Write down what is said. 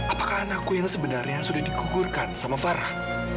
apakah anakku ini sebenarnya sudah dikugurkan sama farah